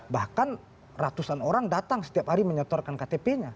bahkan ratusan orang datang setiap hari menyetorkan ktp nya